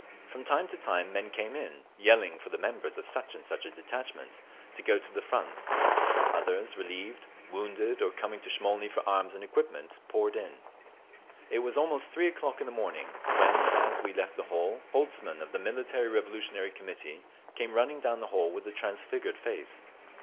From time to time men came in, yelling for the members of such and such a detachment, to go to the front; others, relieved, wounded, or coming to Smolny for arms and equipment, poured in…. It was almost three o'clock in the morning when, as we left the hall, Holtzman, of the Military Revolutionary Committee, came running down the hall with a transfigured face.